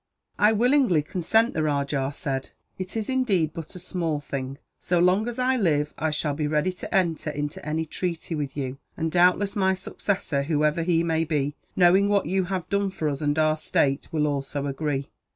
"I willingly consent," the rajah said; "it is, indeed, but a small thing. So long as I live, I shall be ready to enter into any treaty with you; and doubtless my successor, whoever he may be, knowing what you have done for us and our state, will also agree."